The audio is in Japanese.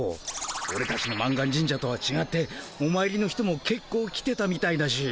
オレたちの満願神社とはちがっておまいりの人もけっこう来てたみたいだし。